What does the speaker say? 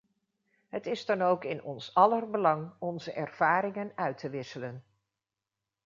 Het is dan ook in ons aller belang onze ervaringen uit te wisselen.